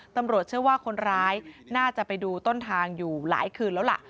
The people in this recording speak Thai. ตำรวจเชื่อว่าคนร้ายน่าจะไปดูต้นทางอยู่หลายคืนแล้วล่ะ